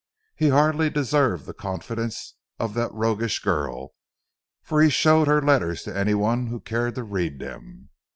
He hardly deserved the confidence of the roguish girl, for he showed her letters to any one who cared to read them.